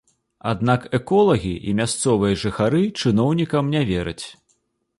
Аднак эколагі і мясцовыя жыхары чыноўнікам не вераць.